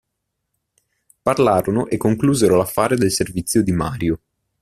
Parlarono e conclusero l'affare del servizio di Mario.